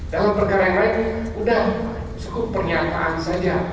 dalam perkara yang lain sudah cukup pernyataan saja